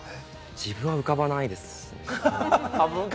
自分は浮かばないですね。